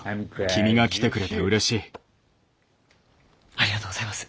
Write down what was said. ありがとうございます。